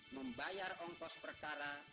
membayar ongkos perkara